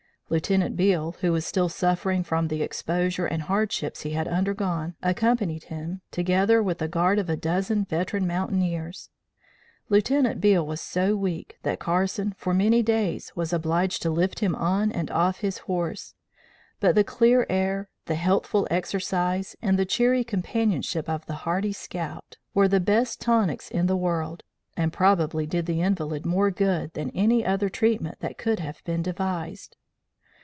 Lieutenant Beale, who was still suffering from the exposure and hardships he had undergone, accompanied him, together with a guard of a dozen veteran mountaineers. Lieutenant Beale was so weak that Carson for many days was obliged to lift him on and off his horse; but the clear air, the healthful exercise and the cheery companionship of the hardy scout were the best tonics in the world, and probably did the invalid more good than any other treatment that could have been devised.